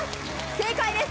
正解です！